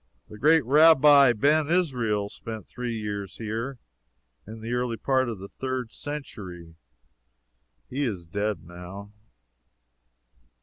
The great Rabbi Ben Israel spent three years here in the early part of the third century. He is dead, now.